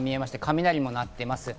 雷も鳴っています。